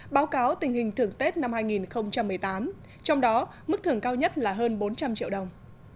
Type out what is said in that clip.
báo cáo tình hình thưởng tết năm hai nghìn một mươi tám trong đó mức thưởng cao nhất là hơn bốn trăm linh triệu đồng